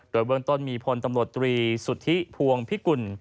โดยเบื้องต้นมีพลตำรวจตรีสุทธิพวงพิกุล